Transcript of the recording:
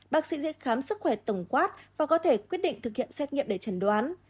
bác sĩ sẽ khám sức khỏe tổng quát và có thể quyết định thực hiện xét nghiệm để trần đoán